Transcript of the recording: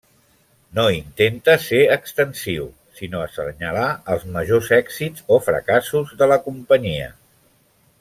No intenta ser extensiu, sinó assenyalar els majors èxits o fracassos de la companyia.